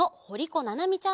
ななみちゃん。